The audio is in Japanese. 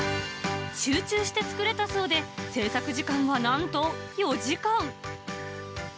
集中して作れたそうで、制作時間はなんと４時間。